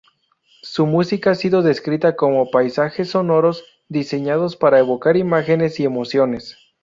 Su música ha sido descrita como "paisajes sonoros" diseñados para evocar imágenes y emociones.